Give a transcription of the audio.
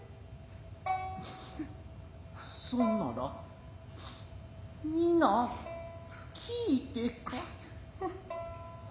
そんなら皆聞いてか。